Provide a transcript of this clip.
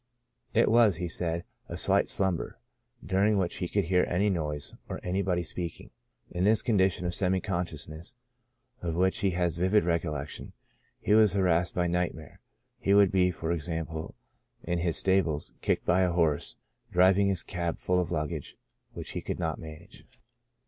It was, he said, a light slumber, dur ing which he could hear any noise, or anybody speaking. In this condition of semi consciousness, of which he has a vivid recollection, he was harassed by nightmare ; he would be, for example, in his stables, kicked by a horse, or driv ing his cab full of luggage, which he could not manage.